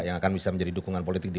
yang akan bisa menjadi dukungan politik di